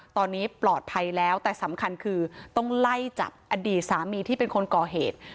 ตอนนี้ปลอดภัยแล้วแต่สำคัญคือต้องไล่จับอดีตสามีที่เป็นคนก่อเหตุ